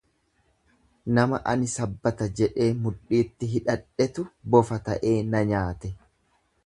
Nama ani sabbata jedhee mudhiitti hidhadhetu bofa ta'ee na nyaate.